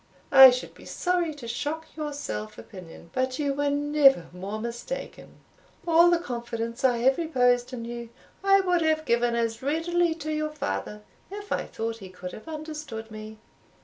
I should be sorry to shock your self opinion, but you were never more mistaken. All the confidence I have reposed in you, I would have given as readily to your father, if I thought he could have understood me.